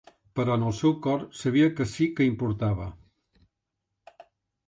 Però en el seu cor sabia que sí que importava.